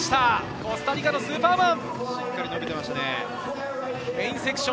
コスタリカのスーパーマン。